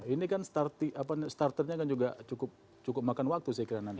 ini kan starternya kan juga cukup makan waktu saya kira nanti